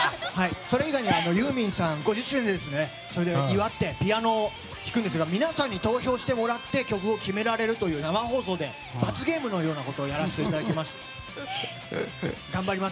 それ以外にもユーミンさん５０周年をそれで祝ってピアノを弾くんですが皆さんに投票してもらって曲を決められるという生放送で罰ゲームのようなことをさせていただきます。